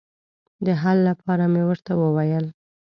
د حل لپاره مې ورته وویل.